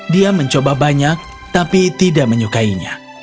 dia mencoba banyak tapi tidak menyukainya